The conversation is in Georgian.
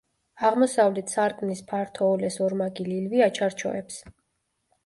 აღმოსავლეთ სარკმლის ფართო ოლეს ორმაგი ლილვი აჩარჩოებს.